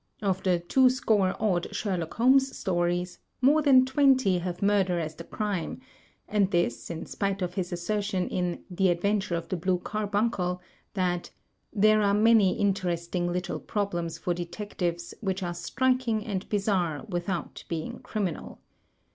Of the two score odd Sherlock Holmes stories, more than twenty have murder as the crime; and this, in spite of his assertion in "The Adventure of the Blue Carbimcle" that "there are many interesting little problems for detectives which are striking and bizarre without being criminal."